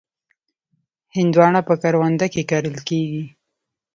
هندوانه په کرونده کې کرل کېږي.